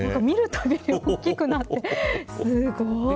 見るたびに大きくなってすごい。